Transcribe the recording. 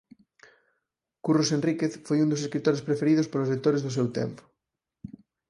Curros Enríquez foi un dos escritores preferidos polos lectores do seu tempo.